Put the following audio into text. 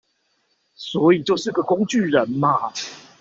所以就是個工具人嘛